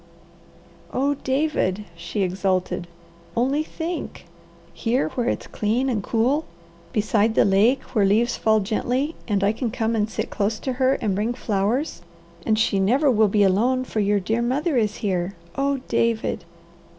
"Oh David!" she exulted. "Only think! Here where it's clean and cool; beside the lake, where leaves fall gently and I can come and sit close to her and bring flowers; and she never will be alone, for your dear mother is here. Oh David!"